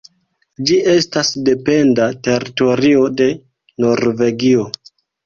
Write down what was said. Ĝi estas dependa teritorio de Norvegio.